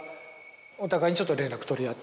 お互いにちょっと連絡取り合って。